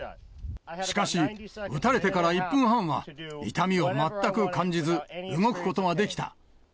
しかし、撃たれてから１分半は痛みを全く感じず、動くことができた。